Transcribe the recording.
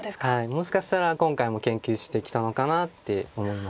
もしかしたら今回も研究してきたのかなって思います。